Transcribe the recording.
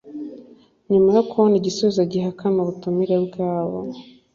nyuma yo kubona igisubizo gihakana ubutumire bwabo